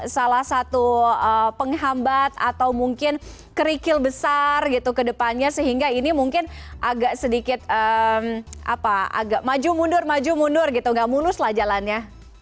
salah satu penghambat atau mungkin kerikil besar gitu ke depannya sehingga ini mungkin agak sedikit maju mundur maju mundur gitu gak mulus lah jalannya